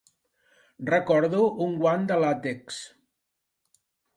Recordo un guant de làtex.